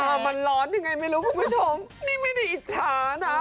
มันร้อนยังไงไม่รู้คุณผู้ชมนี่ไม่ได้อิจฉานะ